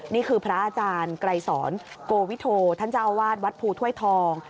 นี่คือพระอาจารย์ไกรสอนโกวิโทท่านเจ้าอาวาสวัดภูถ้วยทอง